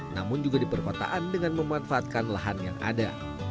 namun juga di perkotaan dengan memanfaatkan lahan yang ada